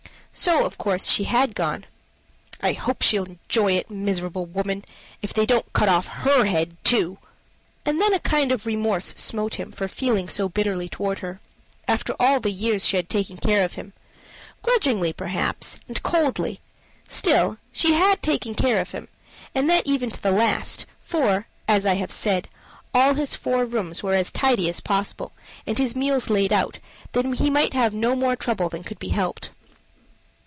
So, of course, she had gone. "I hope she'll enjoy it, miserable woman if they don't cut off her head too." And then a kind of remorse smote him for feeling so bitterly toward her, after all the years she had taken care of him grudgingly, perhaps, and coldly; still she had taken care of him, and that even to the last: for, as I have said, all his four rooms were as tidy as possible, and his meals laid out, that he might have no more trouble than could be helped.